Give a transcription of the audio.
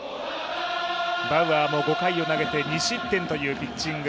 バウアーも５回を投げて２失点というピッチング。